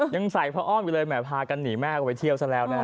ยังใส่พระอ้อมอยู่เลยแหมพากันหนีแม่ก็ไปเที่ยวซะแล้วนะฮะ